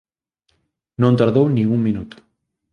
Non tardou nin un minuto.